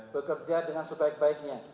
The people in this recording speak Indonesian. bekerja dengan sebaik baiknya